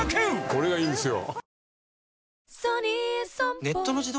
これがいいんすよ。